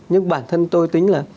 nhưng bản thân tôi tính là